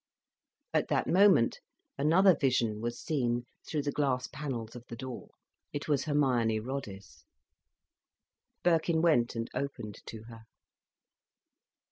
At that moment another vision was seen through the glass panels of the door. It was Hermione Roddice. Birkin went and opened to her.